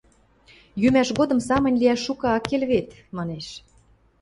– Йӱмӓш годым самынь лиӓш шукы ак кел вет, – манеш.